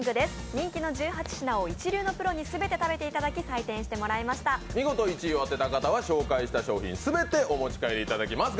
人気の１８品を一流のプロに食べていただき、見事１位を当てた方は紹介した商品、全てお持ち帰りいただきます。